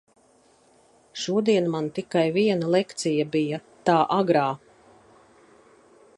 Šodien man tikai viena lekcija bija, tā agrā.